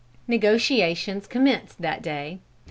Negotiations commenced that day.